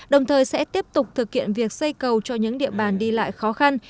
đồng thời sẽ tiếp tục thực hiện việc xây cầu cho những địa bàn đi lại khó khăn